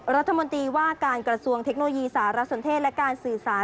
รัฐมนตรีว่าการกระทรวงเทคโนโลยีสารสนเทศและการสื่อสาร